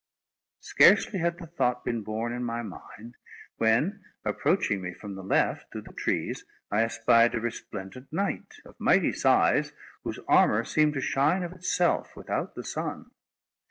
Scarcely had the thought been born in my mind, when, approaching me from the left, through the trees, I espied a resplendent knight, of mighty size, whose armour seemed to shine of itself, without the sun.